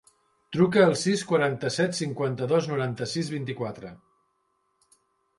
Truca al sis, quaranta-set, cinquanta-dos, noranta-sis, vint-i-quatre.